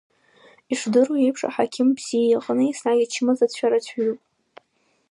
Ишдыру еиԥш, аҳақьым бзиа иҟны еснагь ачымазцәа рацәаҩуп.